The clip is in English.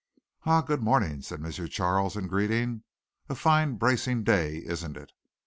"Ah, good morning!" said M. Charles in greeting. "A fine bracing day, isn't it?